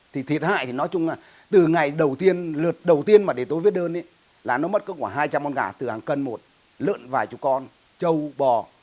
thì thiệt hại thì nói chung là từ ngày đầu tiên lượt đầu tiên mà để tôi viết đơn là nó mất khoảng hai trăm linh con gà từ hàng cân một lợn vài chục con trâu bò